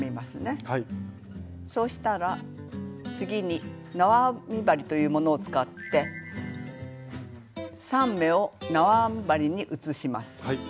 そしたら次になわ編み針というものを使って３目をなわ編み針に移します。